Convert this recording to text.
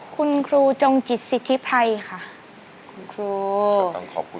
คุณครูจงจิตสิทธิภัยค่ะ